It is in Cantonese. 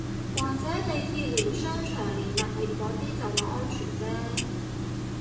或者地鐵連商場連物業嗰啲就話安全啫